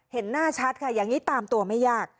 เห็นหน้าชัดค่ะอย่างนี้ตามตัวไม่ยาก